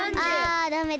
あダメだ。